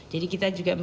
jadi kita juga